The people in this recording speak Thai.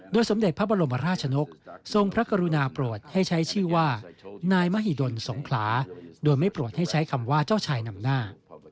สมเด็จพระบรมราชนกทรงพระกรุณาโปรดให้ใช้ชื่อว่านายมหิดลสงขลาโดยไม่โปรดให้ใช้คำว่าเจ้าชายนำหน้า